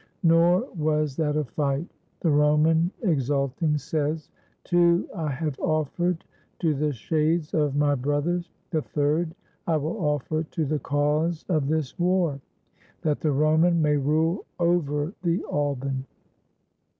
Nor was that a fight. The Roman, exulting, says, "Two I have offered to the shades of my brothers; the third I will offer to the cause of this war, that the Roman may rule over the Alban."